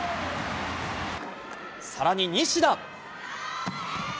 さらに西田。